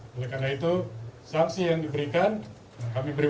kami beri waktu untuk menjatuhkan sanksi yang tegas dan memberikan efek jerah